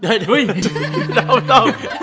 ไม่ต้อง